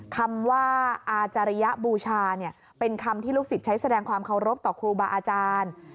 คำว่าอาจารยบูชาเป็นคำที่ลูกศิษย์ใช้แสดงความเคารพต่อครูบาอาจารย์